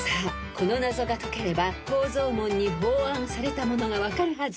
この謎が解ければ宝蔵門に奉安されたものが分かるはず］